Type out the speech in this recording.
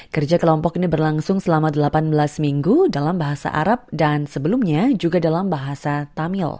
kerja kelompok ini berlangsung selama delapan belas minggu dalam bahasa arab dan sebelumnya juga dalam bahasa tamil